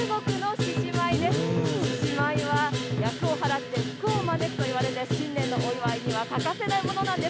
獅子舞は厄をはらって福を招くといわれて、新年のお祝いには欠かせないものなんです。